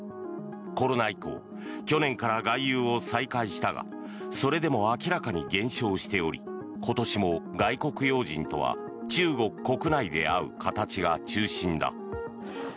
コロナ以降去年から外遊を再開したがそれでも明らかに減少しており今年も外国要人とは中国国内で会う形が中心だ。